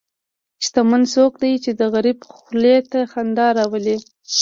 شتمن څوک دی چې د غریب خولې ته خندا راولي.